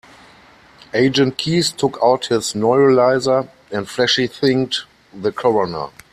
Agent Keys took out his neuralizer and flashy-thinged the coroner.